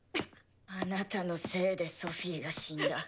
あなたのせいでソフィが死んだ。